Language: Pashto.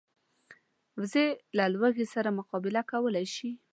وزې له لوږې سره مقابله کولی شي